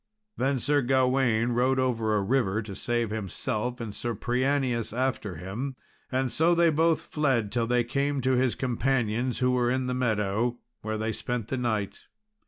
Then Sir Gawain rode over a river to save himself, and Sir Prianius after him, and so they both fled till they came to his companions who were in the meadow, where they spent the night.